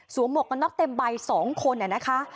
สวมกนักเต็มใบ๒คนอะนะคะ